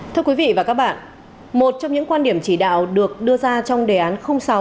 thưa quý vị và các bạn một trong những quan điểm chỉ đạo được đưa ra trong đề án sáu